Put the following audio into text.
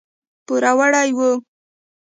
پوروړي وو.